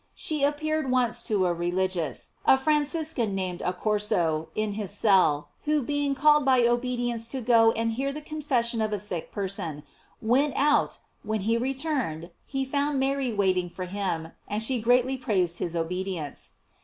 She appeared once to a religious, a Franciscan, named Accorso, in his cell, who being called by obedience to go and hear the confession of a Bick person, went out, but when he returned he found Mary waiting for him, and she greatly praised his obedience.